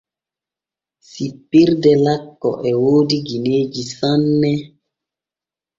Sippirde lakko e woodi gineeji sanne.